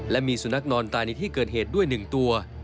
และมีสุนัขนอนตายในที่เกิดเหตุด้วย๑ตัว